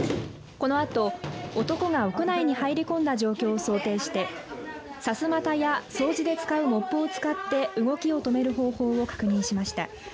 このあと、男が屋内に入り込んだ状況を想定してさすまたや掃除で使うモップを使って動きを止める方法を確認しました。